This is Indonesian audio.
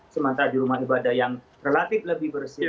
sementara di rumah ibadah yang relatif lebih bersih